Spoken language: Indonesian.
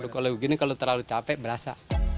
kalau begini kalau terlalu capek berasa